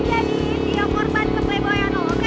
jadi jangan jadi dia korban ke playboy uno oke